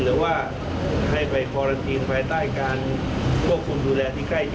หรือว่าให้ไปฟอรันทีนภายใต้การควบคุมดูแลที่ใกล้ชิด